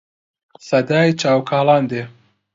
سەدای چاو کاڵان دێ